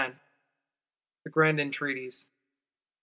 X. The Grand Entries.